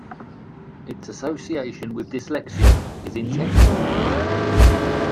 Its association with dyslexia is intentional.